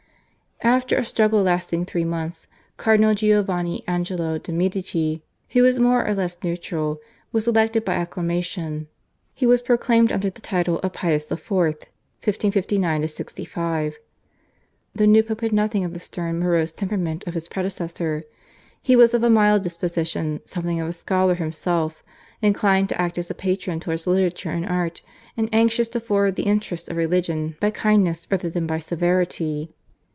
After a struggle lasting three months Cardinal Giovanni Angelo de' Medici, who was more or less neutral, was elected by acclamation. He was proclaimed under the title of Pius IV. (1559 65). The new Pope had nothing of the stern morose temperament of his predecessor. He was of a mild disposition, something of a scholar himself, inclined to act as a patron towards literature and art, and anxious to forward the interests of religion by kindness rather than by severity.